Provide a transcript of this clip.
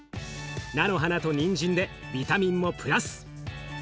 菜の花とにんじんでビタミンもプラス。